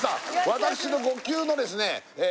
私の５球のですねええ